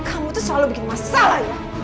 kamu tuh selalu bikin masalah ya